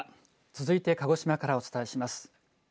続いて鹿児島からお伝えします。